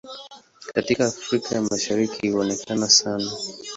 Katika Afrika ya Mashariki huonekana sana.